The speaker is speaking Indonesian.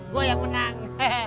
gue yang menang